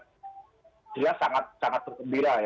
jadi sangat bergembira